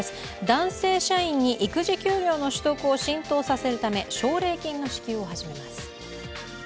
男性社員に育児休業の取得を浸透させるため奨励金の支給を始めます。